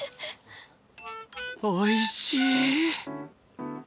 おいしい！